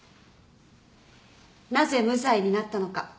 なぜ無罪になったのか。